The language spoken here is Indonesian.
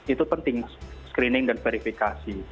itu penting screening dan verifikasi